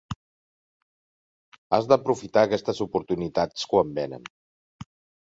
Has d'aprofitar aquestes oportunitats quan venen.